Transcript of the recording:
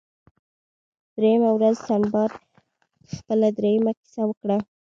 دریمه ورځ سنباد خپله دریمه کیسه وکړه.